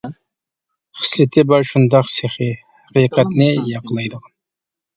خىسلىتى بار شۇنداق سېخى، ھەقىقەتنى ياقىلايدىغان.